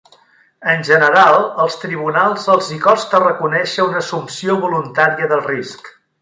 En general els tribunals els hi costa reconèixer una assumpció voluntària del risc.